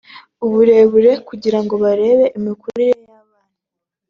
uburebure kugirango barebe imikurire y’abana